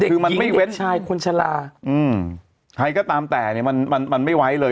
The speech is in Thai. เด็กหญิงเด็กชายคุณชะลาอืมใครก็ตามแต่เนี่ยมันไม่ไหวเลย